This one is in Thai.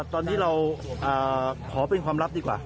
ตอนนี้เราขอเป็นความลับดีกว่า